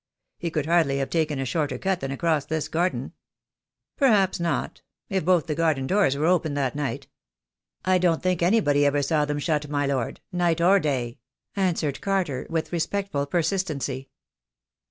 He could hardly have taken a shorter cut than across this garden." "Perhaps not — if both the garden doors were open that night." "I don't think anybody ever saw them shut, my lord, night or day," answered Carter, with respectful persistency.